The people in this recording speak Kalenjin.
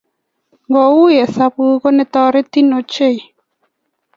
Kou hesabuk ko netoreti ochei